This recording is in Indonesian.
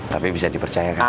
tapi bisa dipercayakan